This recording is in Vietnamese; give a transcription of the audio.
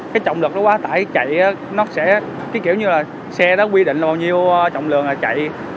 cái trọng lực nó quá tải chạy nó sẽ kiểu như là xe đó quy định bao nhiêu trọng lượng là chạy